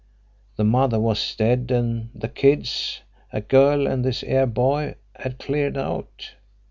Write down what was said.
The mother was dead and the kids a girl and this here boy had cleared out.